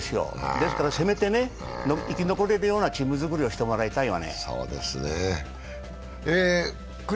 ですからせめて生き残れるようなチーム作りをしてもらいたいわね。